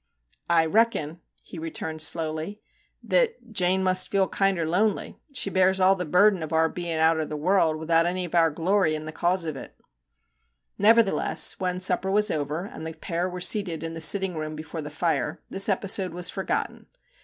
' I reckon/ he re turned slowly, * that Jane must feel kinder lonely; she bears all the burden of our bein' outer the world, without any of our glory in the cause of it/ Nevertheless, when supper was over, and the pair were seated in the sitting room before the fire, this episode was forgotten.